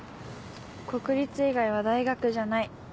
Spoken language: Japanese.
国立以外は大学じゃない。